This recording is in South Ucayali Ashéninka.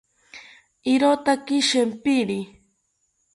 Irotaki shempiri